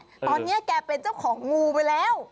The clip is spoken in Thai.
ตอนนี้แกเป็นเจ้าของงูไปแล้ว